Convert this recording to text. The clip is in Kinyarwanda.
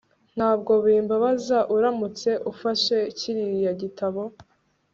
ntabwo bimbabaza uramutse ufashe kiriya gitabo